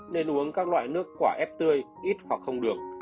nên uống các loại nước quả ép tươi ít hoặc không được